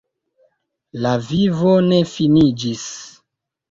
La vivo ne finiĝis.